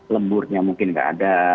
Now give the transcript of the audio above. lemburnya mungkin nggak ada